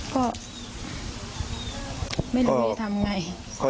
คะต้องเว้นตลอดใช่ไหมค่ะ